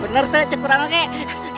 bener teh cukup rangka kek